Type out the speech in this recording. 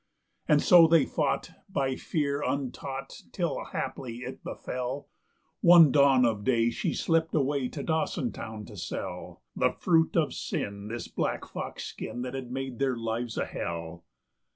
And so they fought, by fear untaught, till haply it befell One dawn of day she slipped away to Dawson town to sell The fruit of sin, this black fox skin that had made their lives a hell.